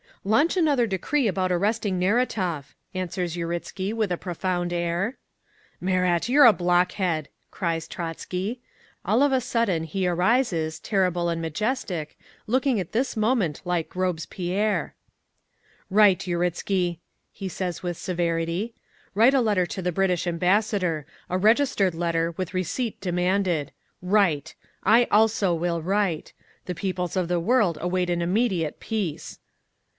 "'Launch another decree about arresting Neratov,' answers Uritzky, with a profound air. "'Marat, you're a blockhead!' cries Trotzky. All of a sudden he arises, terrible and majestic, looking at this moment like Robespierre. "'Write, Uritzky!' he says with severity. 'Write a letter to the British ambassador, a registered letter with receipt demanded. Write! I also will write! The peoples of the world await an immediate peace!